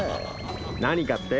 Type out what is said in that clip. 何かって？